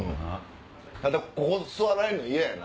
ただここ座られるの嫌やな。